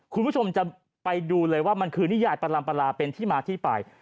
คุณผู้ชมจะไปดูเลยว่ามันคือนิยายประลำปลาเป็นที่มาที่ไป